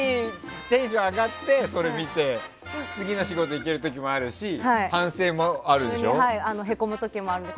テンション上がってそれを見て次の仕事に行ける時もあるしへこむ時もあるので。